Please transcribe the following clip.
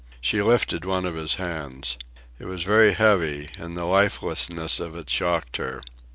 She lifted one of his hands. It was very heavy, and the lifelessness of it shocked her.